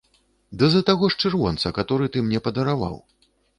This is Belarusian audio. Ды за таго ж чырвонца, каторы ты мне падараваў!